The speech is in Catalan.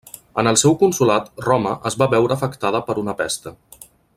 En el seu consolat Roma es va veure afectada per una pesta.